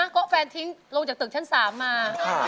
ก็แฟนทิ้งลงจากตึกชั้น๓มา